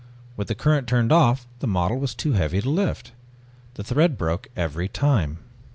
With the current turned off the model was too heavy to lift. The thread broke every time.